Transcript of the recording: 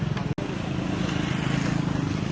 สวัสดีทุกคน